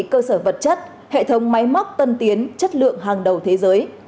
cơ sở vật chất hệ thống máy móc tân tiến chất lượng hàng đầu thế giới